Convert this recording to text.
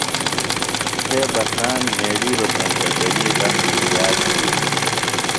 تھے بساند نھیڑِیلوۡ سینتہ تنی غم بیۡ زیات بھی دےۡ